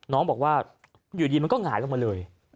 น้องบอกว่าอยู่ดีมันก็หงายลงมาเลย